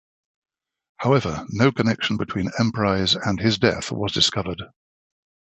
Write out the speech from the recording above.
However, no connection between Emprise and his death was discovered.